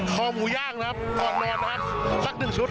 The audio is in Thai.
คอหมูย่างนะครับหัวปลูกแมวนะครับซักหนึ่งชุด